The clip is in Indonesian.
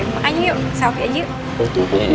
makanya yuk selfie aja yuk